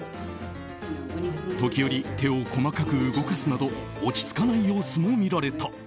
時折、手を細かく動かすなど落ち着かない様子も見られた。